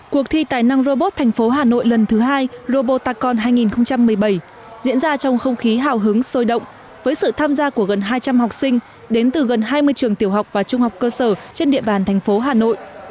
cuộc thi tài năng robot thành phố hà nội lần thứ hai robot tacon hai nghìn một mươi bảy diễn ra trong không khí hào hứng sôi động với sự tham gia của gần hai trăm linh học sinh đến từ gần hai mươi trường tiểu học và trung học cơ sở trên địa bàn thành phố hà nội